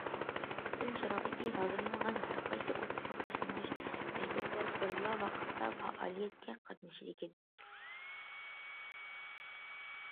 سىن شارائىتى ھازىرلانغان ھەرقايسى ئوتتۇرا، باشلانغۇچ مەكتەپلەر بىرلا ۋاقىتتا پائالىيەتكە قاتنىشىدىكەن.